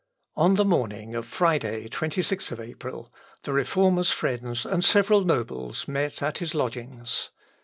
On the morning of Friday (26th April) the Reformer's friends and several nobles met at his lodgings.